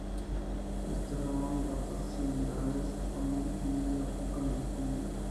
Estrabón notó similaridades con el lidio y con el frigio.